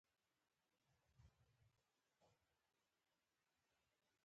ورته ومي د بصارت او بصیرت توپیر همد دادی،